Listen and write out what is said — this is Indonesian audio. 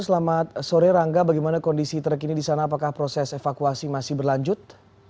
selamat sore rangga bagaimana kondisi terkini di sana apakah proses evakuasi masih berlanjut